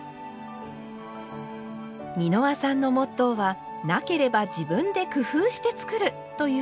美濃羽さんのモットーは「なければ自分で工夫して作る」ということ。